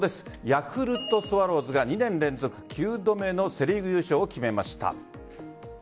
ヤクルトスワローズが２年連続９度目のセ・リーグ優勝を決めました。